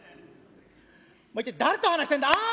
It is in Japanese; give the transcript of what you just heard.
「お前一体誰と話してんだ！」。